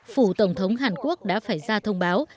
phủ tổng thống hàn quốc đã phải ra thông báo